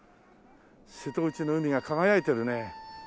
瀬戸内の海が輝いてるね。